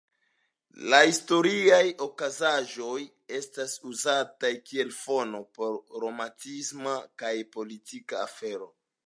La historiaj okazaĵoj estas uzataj kiel fono por romantisma kaj politika afero.